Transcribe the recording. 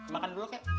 makan dulu kak